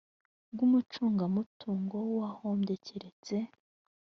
bw umucungamutungo w uwahombye keretse